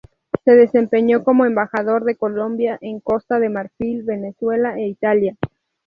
Se desempeñó como embajador de Colombia en Costa de Marfil, Venezuela e Italia.